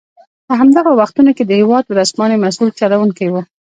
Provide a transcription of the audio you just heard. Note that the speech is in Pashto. په همدغو وختونو کې د هېواد ورځپاڼې مسوول چلوونکی و.